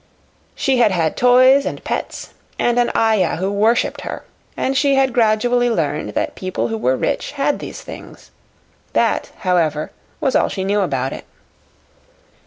She had had toys and pets and an ayah who worshipped her, and she had gradually learned that people who were rich had these things. That, however, was all she knew about it.